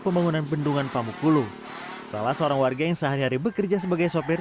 pembangunan bendungan pamukulu salah seorang warga yang sehari hari bekerja sebagai sopir